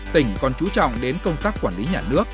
tỉnh còn chú trọng đến công tác quản lý nhà nước